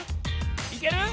いける？